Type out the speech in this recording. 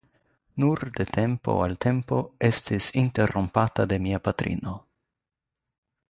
Nur de tempo al tempo estis interrompata de mia patrino.